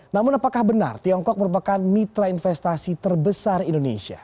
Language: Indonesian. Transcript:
namun apakah benar tiongkok merupakan mitra investasi terbesar indonesia